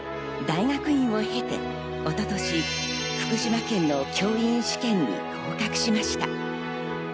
大学院を経て、一昨年、福島県の教員試験に合格しました。